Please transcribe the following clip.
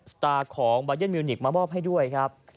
สตาร์ของบายันมิวนิกมามอบให้ด้วยครับ